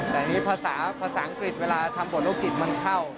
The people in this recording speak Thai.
แต่นี่ภาษาอังกฤษเวลาทำบทโลกจิตมันเข้า